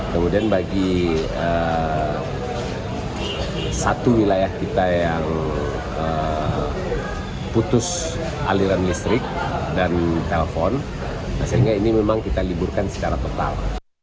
kemudian bagi satu wilayah kita yang putus aliran listrik dan telpon sehingga ini memang kita liburkan secara total